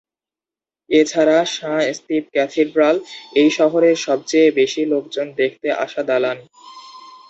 এছাড়া সাঁ-স্তিপঁ ক্যাথিড্রাল এই শহরের সবচেয়ে বেশি লোকজন দেখতে আসা দালান।